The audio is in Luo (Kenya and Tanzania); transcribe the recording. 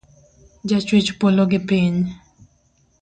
Ja chwech polo gi piny.